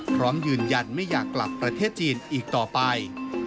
พร้อมยืนยันไม่อยากกลับประเทศจีนอีกต่อไป